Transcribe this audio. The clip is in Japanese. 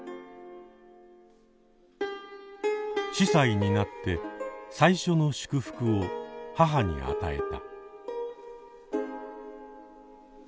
司祭になって最初の祝福を母に与えた。